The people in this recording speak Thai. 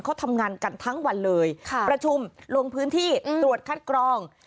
เขาทำงานกันทั้งวันเลยประชุมลงพื้นที่ตรวจคัดกรอง